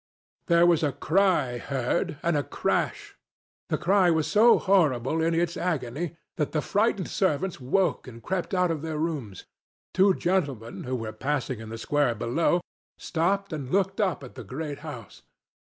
There was a cry heard, and a crash. The cry was so horrible in its agony that the frightened servants woke and crept out of their rooms. Two gentlemen, who were passing in the square below, stopped and looked up at the great house.